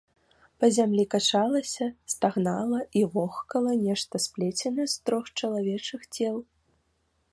Па зямлі качалася, стагнала і вохкала нешта сплеценае з трох чалавечых цел.